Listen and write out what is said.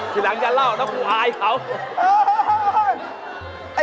ทีหลังจะเล่าแล้วคุณพายเขา